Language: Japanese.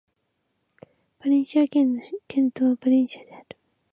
バレンシア県の県都はバレンシアである